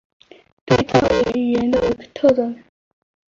对照语言学的特征。